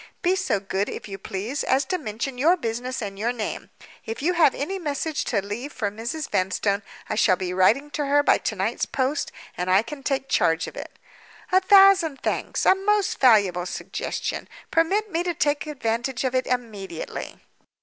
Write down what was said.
"Be so good, if you please, as to mention your business and your name. If you have any message to leave for Mrs. Vanstone, I shall be writing to her by to night's post, and I can take charge of it." "A thousand thanks! A most valuable suggestion. Permit me to take advantage of it immediately."